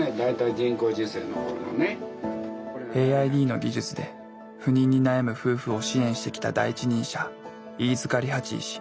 ＡＩＤの技術で不妊に悩む夫婦を支援してきた第一人者飯塚理八医師。